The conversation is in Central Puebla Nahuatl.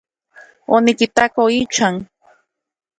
Onikitato ichan.